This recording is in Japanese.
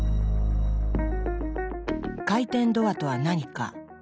「回転ドア」とは何か。